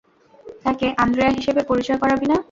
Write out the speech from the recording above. তাকে আন্দ্রেয়া হিসেবে পরিচয় করাবি না।